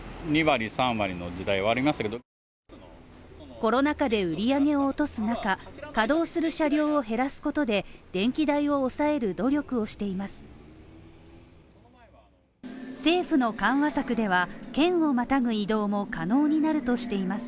コロナ禍で売り上げを落とす中、稼働する車両を減らすことで電気代を抑える努力をしています。